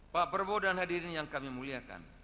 pak prabowo dan hadirin yang kami muliakan